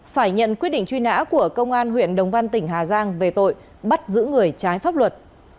phải nhận quyết định truy nã của công an huyện đồng văn tỉnh hà giang về tội bắt giữ người trái pháp luật